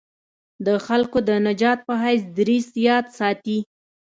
د خلکو د نجات په حیث دریځ یاد ساتي.